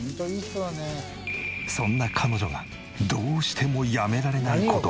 そんな彼女がどうしてもやめられない事が。